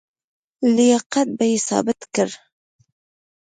لیاقت یې ثابت کړ.